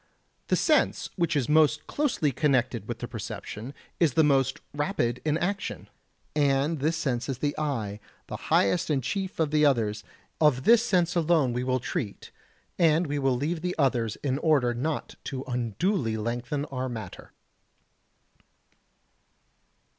The sense which is most closely connected with the perception is the most rapid in action, and this sense is the eye, the highest and chief of the others; of this sense alone we will treat, and we will leave the others in order not to unduly lengthen our matter.